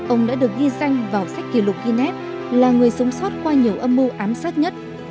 ông đã được ghi danh vào sách kỷ lục guinness là người sống sót qua nhiều âm mưu ám sát nhất